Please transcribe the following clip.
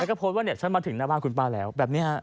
แล้วก็โพสต์ว่าเนี่ยฉันมาถึงหน้าบ้านคุณป้าแล้วแบบนี้ฮะ